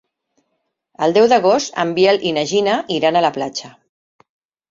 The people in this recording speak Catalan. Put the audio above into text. El deu d'agost en Biel i na Gina iran a la platja.